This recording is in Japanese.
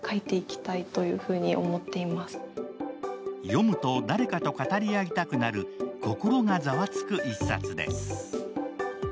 読むと誰かと語り合いたくなる心がざわつく一冊です。